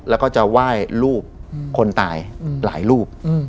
แล้วก็จะไหว้รูปคนตายหลายรูป